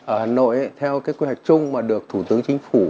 ở hà nội theo cái quy hoạch chung mà được thủ tướng chính phủ